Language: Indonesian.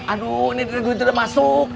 aduh ini udah masuk